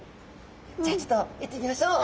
じゃあちょっといってみましょう。